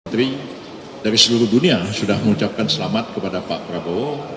menteri dari seluruh dunia sudah mengucapkan selamat kepada pak prabowo